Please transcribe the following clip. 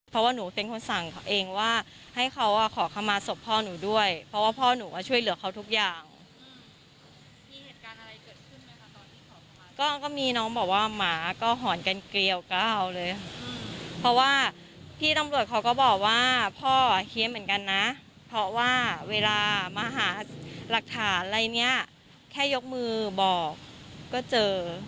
ปรับสินค้าแน่ใจที่ให้เค้าเป็นคนแขนนะเผื่อว่าเวลามาหาหลักฐานอะไรอย่างนี้ก็เจอ